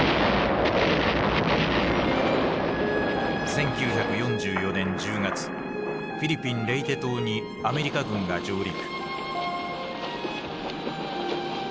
１９４４年１０月フィリピン・レイテ島にアメリカ軍が上陸。